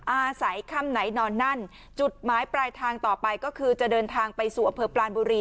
อาศัยค่ำไหนนอนนั่นจุดหมายปลายทางต่อไปก็คือจะเดินทางไปสู่อำเภอปลานบุรี